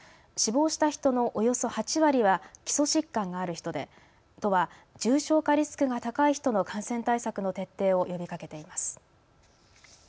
死亡した人のおよそ８割は基礎疾患がある人で都は重症化リスクが高い人の感染対策の徹底を呼びかけています。